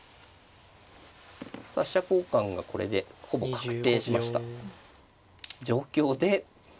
さあ飛車交換がこれでほぼ確定しました状況で全く無視。